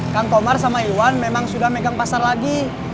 kang komar sama iwan memang sudah megang pasar lagi